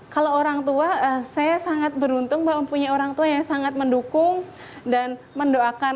kalau orang tua saya sangat beruntung bahwa mempunyai orang tua yang sangat mendukung dan mendoakan